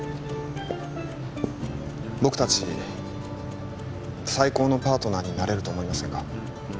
僕達最高のパートナーになれると思いませんか？